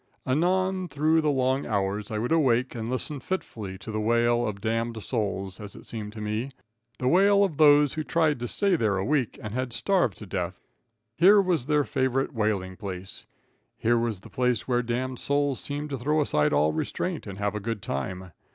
Anon through the long hours I would awake and listen fitfully to the wail of damned souls, as it seemed to me, the wail of those who tried to stay there a week, and had starved to death. Here was their favorite wailing place. Here was the place where damned souls seemed to throw aside all restraint and have a good time.